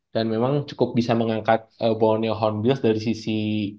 dan memang cukup bisa mengangkat borneo hornbills dari sisi